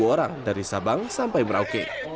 dua orang dari sabang sampai merauke